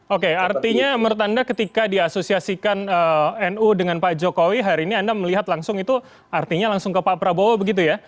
oke artinya menurut anda ketika diasosiasikan nu dengan pak jokowi hari ini anda melihat langsung itu artinya langsung ke pak prabowo begitu ya